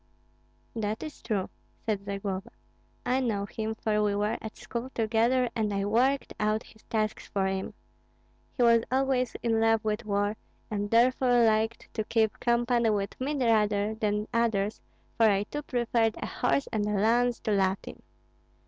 "That is true," said Zagloba. "I know him, for we were at school together and I worked out his tasks for him. He was always in love with war, and therefore liked to keep company with me rather than others, for I too preferred a horse and a lance to Latin."